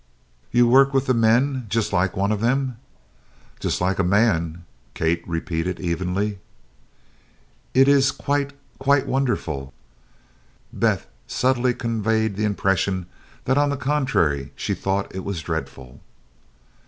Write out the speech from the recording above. "You work with the men just like one of them?" "Just like a man," Kate repeated evenly. "It is quite quite wonderful!" Beth subtly conveyed the impression that on the contrary she thought it was dreadful.